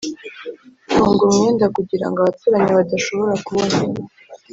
funga umwenda kugirango abaturanyi badashobora kubona.